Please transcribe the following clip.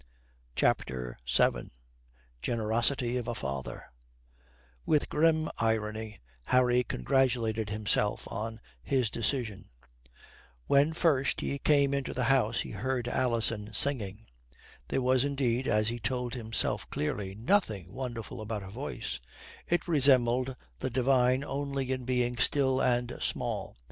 CHAPTER VII GENEROSITY OF A FATHER With grim irony Harry congratulated himself on his decision. When first he came into the house he heard Alison singing. There was indeed (as he told himself clearly) nothing wonderful about her voice it resembled the divine only in being still and small.